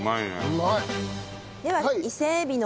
うまい！